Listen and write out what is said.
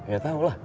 ya tau lah